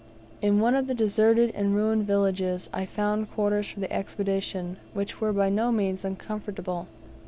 In one of the deserted and ruined villages, I found quarters for the Expedition, which were by no means uncomfortable.